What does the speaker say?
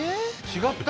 違った？